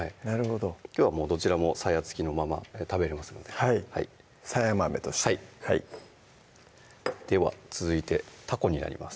きょうはどちらもさや付きのまま食べれますのでさや豆としてはいでは続いてたこになります